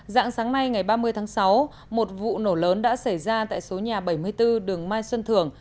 dạng sáng nay ngày ba mươi tháng sáu một vụ nổ lớn đã xảy ra tại số nhà bảy mươi bốn đường mai xuân thưởng